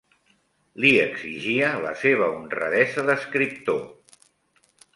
Li exigia la seva honradesa d'escriptor…